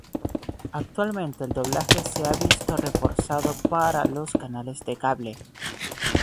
Actualmente el doblaje se ha visto reforzado para los canales de cable.